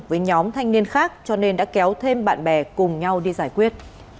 với nhóm thanh niên khác cho nên đã kéo thêm bạn bè cùng nhau đi giải quyết